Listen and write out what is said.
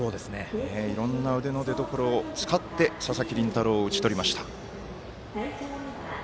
いろんな腕の出どころを使って佐々木麟太郎を打ち取りました。